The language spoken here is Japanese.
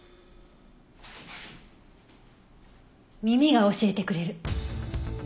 耳が教えてくれる。